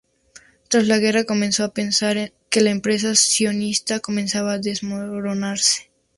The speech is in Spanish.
Tras la guerra, comenzó a pensar que la empresa sionista comenzaba a desmoronarse.